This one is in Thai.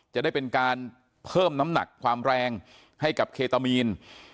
จะได้เป็นการเพิ่มน้ำหนักความแรงให้กับเคตามีน